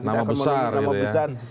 nama besar gitu ya